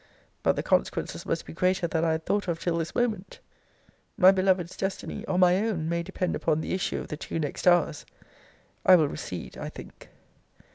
But the consequences must be greater than I had thought of till this moment my beloved's destiny or my own may depend upon the issue of the two next hours! I will recede, I think!